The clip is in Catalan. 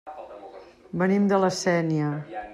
Venim de La Sénia.